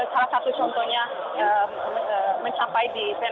salah satu contohnya mencapai di fenome